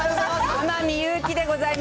天海祐希でございます。